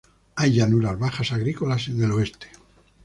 Hay llanuras bajas agrícolas en el oeste.